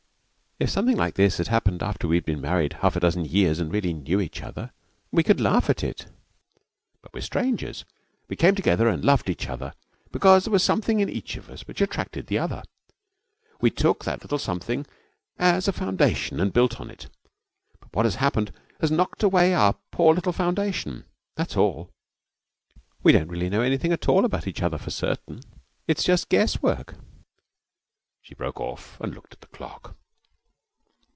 If something like this had happened after we had been married half a dozen years and really knew each other, we could laugh at it. But we are strangers. We came together and loved each other because there was something in each of us which attracted the other. We took that little something as a foundation and built on it. But what has happened has knocked away our poor little foundation. That's all. We don't really know anything at all about each other for certain. It's just guesswork.' She broke off and looked at the clock.